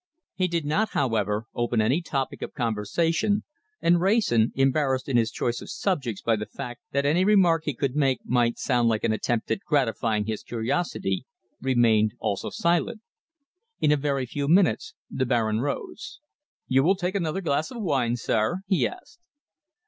He did not, however, open any topic of conversation, and Wrayson, embarrassed in his choice of subjects by the fact that any remark he could make might sound like an attempt at gratifying his curiosity, remained also silent. In a very few minutes the Baron rose. "You will take another glass of wine, sir?" he asked.